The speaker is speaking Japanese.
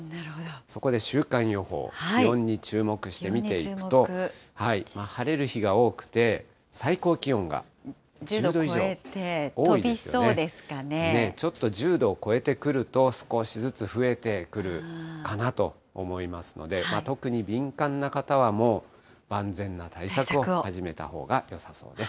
そこで週間予報、気温に注目して見ていくと、晴れる日が多くて、１０度超えて飛びそうですかね、ちょっと１０度を超えてくると、少しずつ増えてくるかなと思いますので、特に敏感な方は、もう、万全な対策を始めたほうがよさそうです。